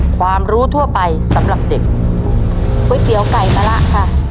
๕ความรู้ทั่วไปสำหรับเด็ก